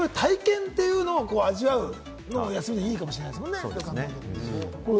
体験というのを味わうのもいいかもしれないですね。